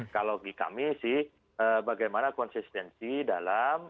kalau di kami sih bagaimana konsistensi dalam